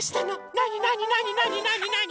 なになになになになになに？